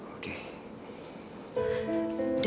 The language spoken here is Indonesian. aku harus ngaku sebagai mita